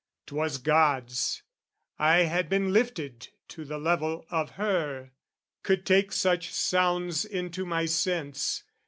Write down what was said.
'Twas God's. I had been lifted to the level of her, Could take such sounds into my sense.